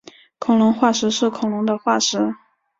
恐龙化石是恐龙的化石。